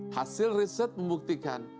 hasil riset membuktikan